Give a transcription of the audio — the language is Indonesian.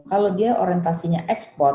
kalau dia orientasinya ekspor